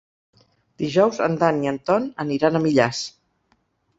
Dijous en Dan i en Ton aniran a Millars.